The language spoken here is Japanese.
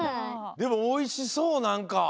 でもおいしそうなんか。